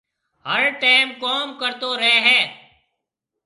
هر ٽيم ڪوم ڪرتو رهي هيَ۔